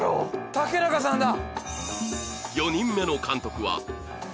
竹中さんだ